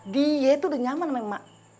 dia tuh udah nyaman sama emak